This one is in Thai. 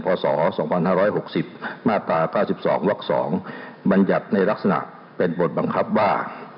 พศ๒๕๖๐มาตรา๙๒วัก๒บรรยัติในลักษณะเป็นบทบังคับว่า